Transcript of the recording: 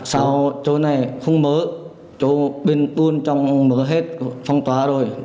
sau chỗ này không mở chỗ bên tuôn trong mở hết phong tỏa rồi